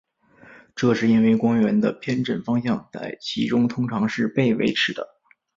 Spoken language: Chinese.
这是因为光源的偏振方向在其中通常是被维持的。